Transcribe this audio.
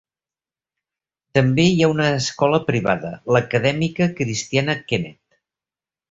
També hi ha una escola privada, l'Acadèmica Cristiana Kennet.